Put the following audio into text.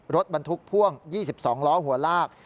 รถบรรทุกพ่วง๒๒ล้อหัวลาก